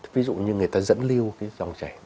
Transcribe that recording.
ví dụ như người ta dẫn lưu cái dòng chảy